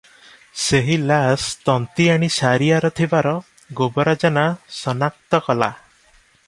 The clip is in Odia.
ସେହି ଲାସ୍ ତନ୍ତୀଆଣୀ ସାରିଆର ଥିବାର ଗୋବରା ଜେନା ସନାକ୍ତ କଲା ।